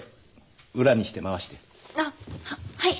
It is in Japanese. あっはい。